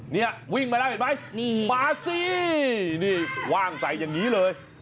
นี่วิ่งมาแล้วเห็นมั้ยปลาสี่นี่ว่างใส่อย่างนี้เลย